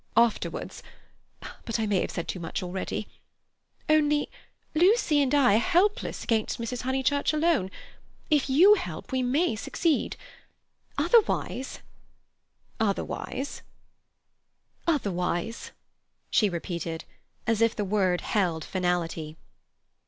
Afterwards—but I may have said too much already. Only, Lucy and I are helpless against Mrs. Honeychurch alone. If you help we may succeed. Otherwise—" "Otherwise—?" "Otherwise," she repeated as if the word held finality.